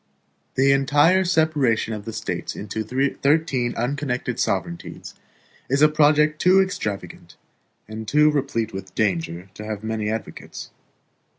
The entire separation of the States into thirteen unconnected sovereignties is a project too extravagant and too replete with danger to have many advocates.